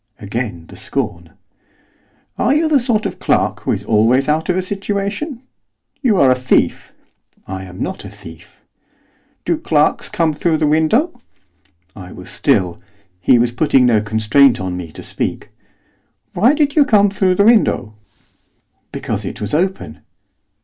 Again the scorn. 'Are you the sort of clerk who is always out of a situation? You are a thief.' 'I am not a thief.' 'Do clerks come through the window?' I was still, he putting no constraint on me to speak. 'Why did you come through the window?' 'Because it was open.